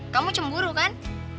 kamu cemburu kan